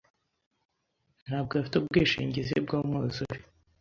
ntabwo afite ubwishingizi bwumwuzure.